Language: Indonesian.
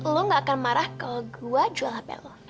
lu nggak akan marah kalau gue jual hape lu